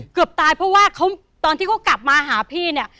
เกือบตายเพราะว่าเขาตอนที่เขากลับมาหาพี่เนี่ย